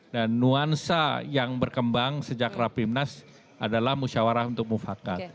dan nuansa yang berkembang sejak rapimnas adalah musyawarah untuk mufakat